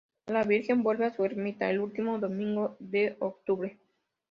La virgen vuelve a su ermita el ultimo domingo de octubre.